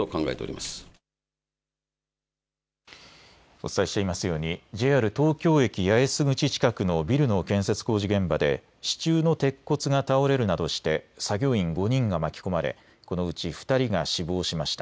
お伝えしていますようにＪＲ東京駅八重洲口近くのビルの建設工事現場で支柱の鉄骨が倒れるなどして作業員５人が巻き込まれ、このうち２人が死亡しました。